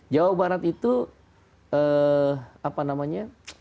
jawa barat itu apa namanya